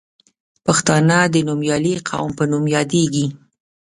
پښتانه د نومیالي قوم په نوم یادیږي.